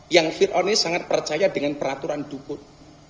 yang fit on ini sangat percaya dengan peraturan dukun